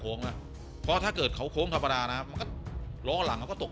โค้งแล้วเพราะถ้าเกิดเขาโค้งธรรมดารับรอรับแล้วก็ตก